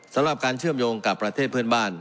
สำหรับการเชื่อมโยงกับประเทศเพื่อนบ้าน